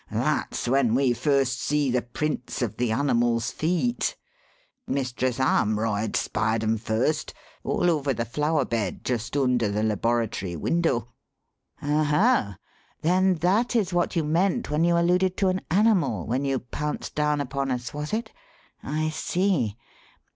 That's when we first see the prints of the animal's feet. Mistress Armroyd spied 'em first all over the flower bed just under the laboratory window." "Oho! then that is what you meant when you alluded to an 'animal' when you pounced down upon us, was it? I see.